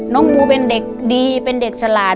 ปูเป็นเด็กดีเป็นเด็กฉลาด